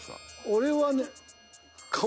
俺はね顔